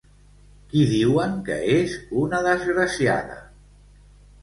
Qui diuen que és una desgraciada?